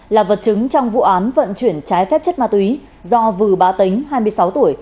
là vật chứng trong vụ án vận chuyển trái phép chất ma túy do vừ bá tính hai mươi sáu tuổi